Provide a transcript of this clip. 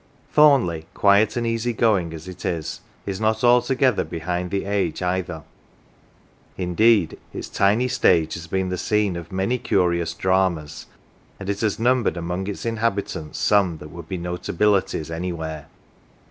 Thornleigh, quiet and easy going as it is, is not altogether behind the age either; indeed its tiny stage has been the scene of many curious dramas, and it has numbered among its inhabitants some that would be notabilities anywhere.